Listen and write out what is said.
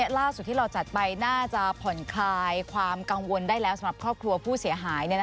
ล่าสุดที่เราจัดไปน่าจะผ่อนคลายความกังวลได้แล้วสำหรับครอบครัวผู้เสียหาย